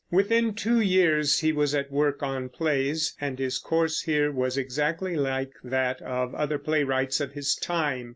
Within two years he was at work on plays, and his course here was exactly like that of other playwrights of his time.